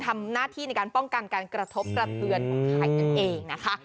ทำหน้าที่ในการป้องกันการกระทบกระเทือนของไข่นั่นเองนะคะ